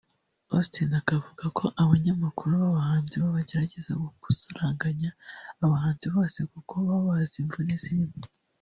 Austin akavuga ko abanyamakuru b’abahanzi bo bagerageza gusaranganya abahanzi bose kuko baba bazi imvune zirimo